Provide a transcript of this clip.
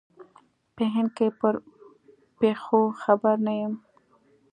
په هند کې پر پېښو خبر نه یم.